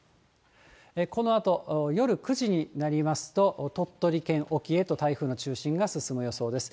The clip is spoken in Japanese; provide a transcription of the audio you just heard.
このあと、夜９時になりますと、鳥取県沖へと台風の中心が進む予想です。